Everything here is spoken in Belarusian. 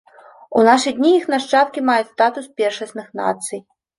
У нашы дні іх нашчадкі маюць статус першасных нацый.